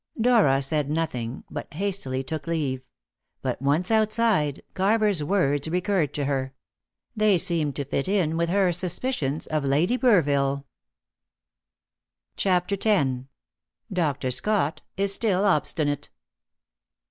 Dora said nothing, but hastily took leave. But once outside, Carver's words recurred to her. They seemed to fit in with her suspicions of Lady Burville. CHAPTER X. DR. SCOTT IS STILL OBSTINATE.